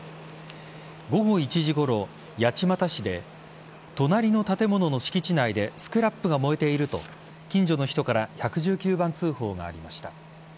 午後１時ごろ、八街市で隣の建物の敷地内でスクラップが燃えていると近所の人から１１９番通報がありました。